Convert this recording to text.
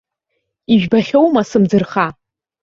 Ижәбахьоума сымӡырха?